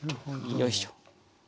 よいしょ。